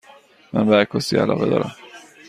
من به عکاسی علاقه دارم.